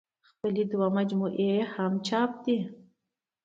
خپلې دوه مجموعې يې هم چاپ دي